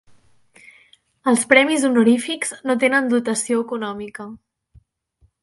Els premis honorífics no tenen dotació econòmica.